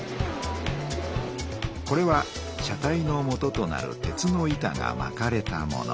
これは車体のもととなる鉄の板がまかれたもの。